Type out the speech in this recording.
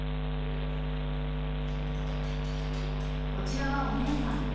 こちらはお姉さん。